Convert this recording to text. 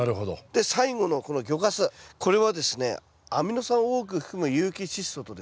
で最後のこの魚かすこれはですねアミノ酸を多く含む有機チッ素とですね